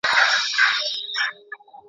سیاست پوهنه د ژوند د ښکلا نښه ده.